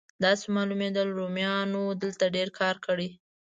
داسې معلومېدل رومیانو دلته ډېر کار کړی.